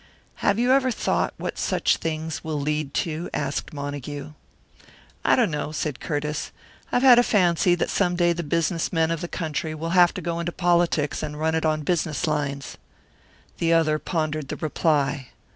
"Have you ever thought what such things will lead to?" asked Montague. "I don't know," said Curtiss. "I've had a fancy that some day the business men of the country will have to go into politics and run it on business lines." The other pondered the reply.